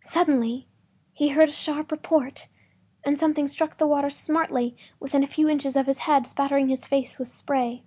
Suddenly he heard a sharp report and something struck the water smartly within a few inches of his head, spattering his face with spray.